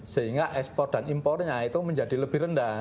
sehingga ekspor dan impornya itu menjadi lebih rendah